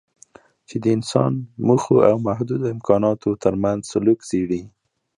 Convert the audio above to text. چې د انسان موخو او محدودو امکاناتو ترمنځ سلوک څېړي.